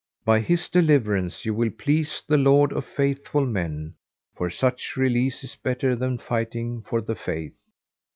By his deliverance you will please the Lord of Faithful Men, for such release is better than fighting for the Faith.'"